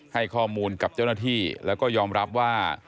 ให้ข้อมูลกับเจ้าหน้าที่แล้วก็ยอมรับว่า